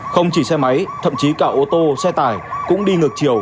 không chỉ xe máy thậm chí cả ô tô xe tải cũng đi ngược chiều